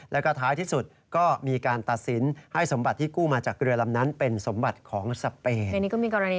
แล้วก็ท้ายที่สุดก็มีการตัดสินให้สมบัติที่กู้มาจากเรือลำนั้นเป็นสมบัติของสเปน